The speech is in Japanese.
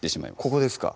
ここですか？